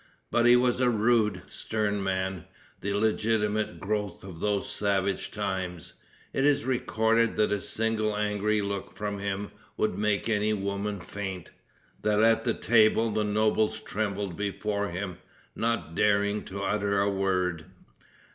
But he was a rude, stern man, the legitimate growth of those savage times. It is recorded that a single angry look from him would make any woman faint; that at the table the nobles trembled before him, not daring to utter a word.